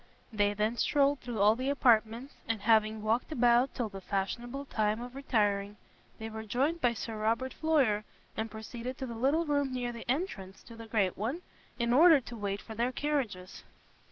They then strolled through all the apartments, and having walked about till the fashionable time of retiring, they were joined by Sir Robert Floyer, and proceeded to the little room near the entrance to the great one, in order to wait for their carriages.